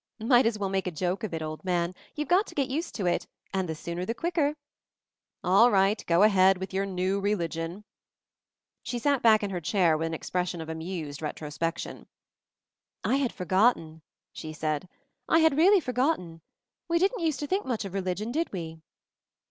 "Might as well make a joke of it, Old Man — you've got to get used to it, and 'the sooner the quicker!' " "All right — Go ahead with your New Religion." She sat back in her chair with an expres sion of amused retrospection. "I had forgotten," she said, "I had really forgotten. We didn't use to think much of religion, did we?"